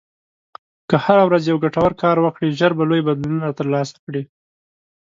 که هره ورځ یو ګټور کار وکړې، ژر به لوی بدلونونه ترلاسه کړې.